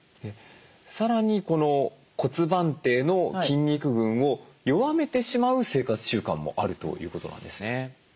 さらにこの骨盤底の筋肉群を弱めてしまう生活習慣もあるということなんですね。